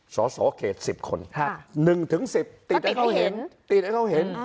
สอสอเขต๑๐คน๑๑๐ติดให้เข้าเห็น